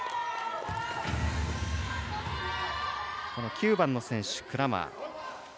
９番の選手、クラーマー。